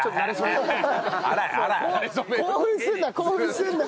興奮するな興奮するな。